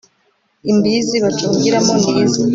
Imbizi bacurangiramo n'ize